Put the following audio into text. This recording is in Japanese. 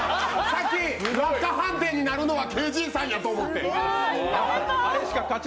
落下判定になるのはＫＺさんだと思って。